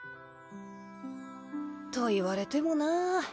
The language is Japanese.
と言われてもなぁ。